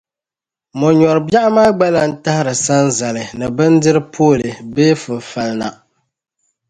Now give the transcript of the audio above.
Mɔ'nyoori biɛɣu maa gba lan tahiri sanzali ni bindiri' pooli bee finafali na.